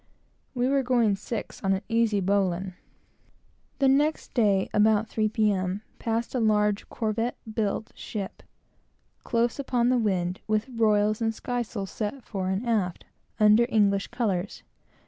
We were going six on an easy bowline. The next day, about three P. M., passed a large corvette built ship, close upon the wind, with royals and skysails set fore and aft, under English colors.